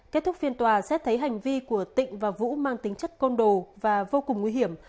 kết thúc phiên tòa xét thấy hành vi của tịnh và vũ mang tính chất côn đồ và vô cùng nguy hiểm